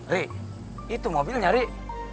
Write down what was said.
rik itu mobilnya rik